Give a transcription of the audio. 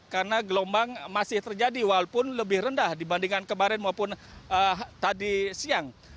karena gelombang masih terjadi walaupun lebih rendah dibandingkan kemarin maupun tadi siang